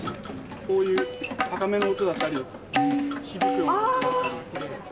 こういう高めの音だったり、響く音だったり。